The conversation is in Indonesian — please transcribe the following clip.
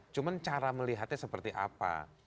cuma cara melihatnya seperti apa